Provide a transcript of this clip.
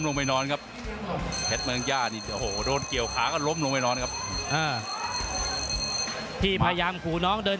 สวยงามพวกนี้จับเงิน